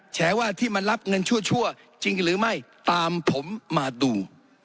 แฉว่าที่มารับเงินชั่วจริงหรือไม่ตามผมมาดู